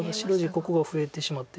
ここが増えてしまって。